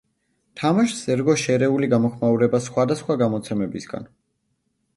თამაშს ერგო შერეული გამოხმაურება სხვადასხვა გამოცემებისგან.